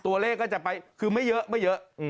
ตัวเลขก็จะไปคือไม่เยอะไม่เยอะ